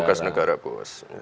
tugas negara puas